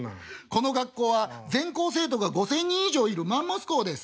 「この学校は全校生徒が５，０００人以上いるマンモス校です」。